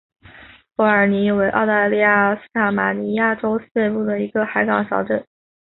伯尔尼为澳大利亚塔斯马尼亚州西北部的一个海港小镇。